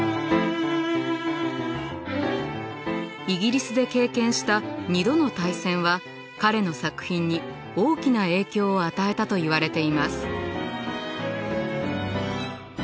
イギリスで経験した２度の大戦は彼の作品に大きな影響を与えたといわれています。